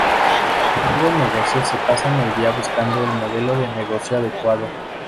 Los nuevos negocios se pasan el día buscando el modelo de negocio adecuado.